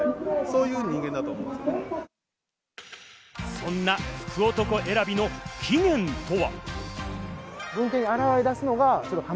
そんな福男選びの起源とは？